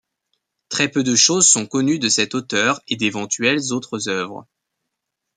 Très peu de choses sont connues de cet auteur et d'éventuelles autres œuvres.